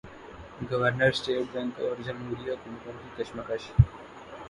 governor state bank اور جمہوری حکومتوں کی کشمکش